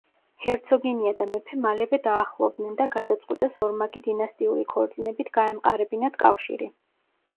ჰერცოგინია და მეფე მალევე დაახლოვდნენ და გადაწყვიტეს ორმაგი დინასტიური ქორწინებით გაემყარებინათ კავშირი.